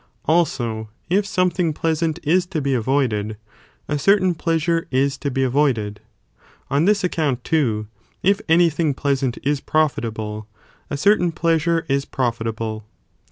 * Also, if something « punte ana pleasant is to be avoided, a certain pleasure is Taylor reverse to be avoided; on this account too, if any thing ἮΝ *™"°* pleasant is profitable, a certain pleasure is profitable.